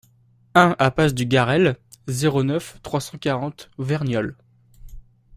un impasse du Garrel, zéro neuf, trois cent quarante Verniolle